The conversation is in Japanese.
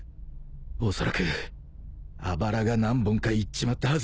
おそらくあばらが何本かいっちまったはず